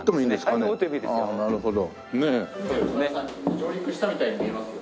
上陸したみたいに見えますよ